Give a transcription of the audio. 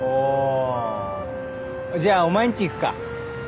じゃあお前んち行くか。